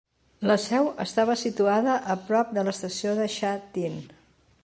La seu estava situada a prop de l'estació de Sha Tin.